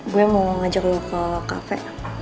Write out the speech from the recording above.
gue mau ngajak lo ke kafe